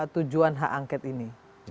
tujuan hak angket ini